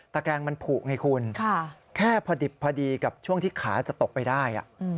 แกรงมันผูกไงคุณแค่พอดิบพอดีกับช่วงที่ขาจะตกไปได้